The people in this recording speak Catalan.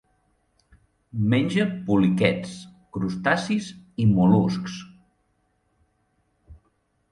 Menja poliquets, crustacis i mol·luscs.